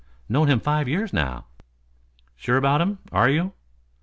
Known him five years now." "Sure about him, are you?"